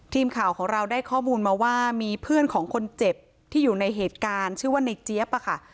ทีมข่าวของเราได้ข้อมูลมาว่ามีเพื่อนของคนเจ็บที่อยู่ในเหตุการณ์ชื่อว่าในเจี๊ยบอะค่ะ